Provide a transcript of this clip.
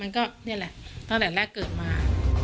ก็นี่แหละตั้งแต่แรกเกิดมา